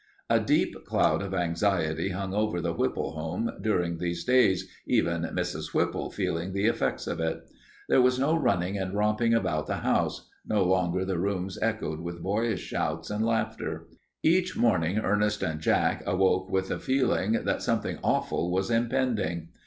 A deep cloud of anxiety hung over the Whipple home during those days, even Mrs. Whipple feeling the effects of it. There was no running and romping about the house; no longer the rooms echoed with boyish shouts and laughter. Each morning Ernest and Jack awoke with a feeling that something awful was impending.